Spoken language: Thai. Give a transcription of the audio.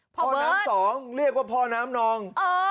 พ่อน้ำสองเรียกว่าพ่อน้ำนอง